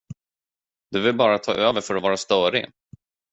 Du vill bara ta över för att vara störig.